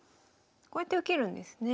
こうやって受けるんですね。